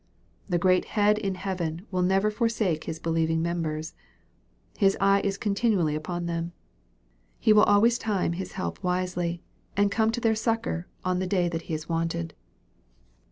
The great Head in heaven will never forsake His believing members. His eye is continually upon them. He will always time His help wisely, and come to their succor in the day that He is wanted. MARK, CHAP.